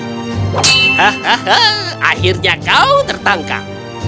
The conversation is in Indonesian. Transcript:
hahaha akhirnya kau tertangkap